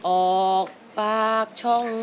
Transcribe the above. ออกปากช่อง